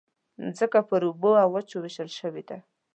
مځکه پر اوبو او وچو وېشل شوې ده.